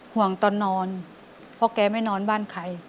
ห่วงตอนนอนเพราะแกไม่นอนบ้านใคร